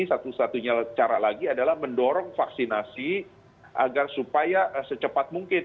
satu satunya cara lagi adalah mendorong vaksinasi agar supaya secepat mungkin